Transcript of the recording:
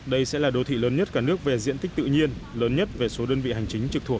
đây sẽ là đô thị lớn nhất cả nước về diện tích tự nhiên lớn nhất về số đơn vị hành chính trực thuộc